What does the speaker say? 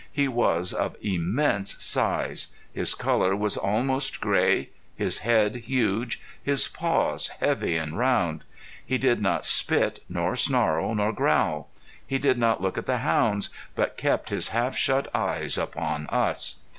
He was of immense size; his color was almost gray; his head huge, his paws heavy and round. He did not spit, nor snarl, nor growl; he did not look at the hounds, but kept his half shut eyes upon us.